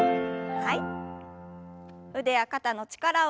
はい。